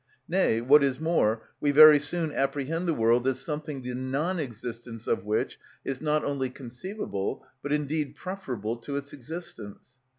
Nay, what is more, we very soon apprehend the world as something the non existence of which is not only conceivable, but indeed preferable to its existence.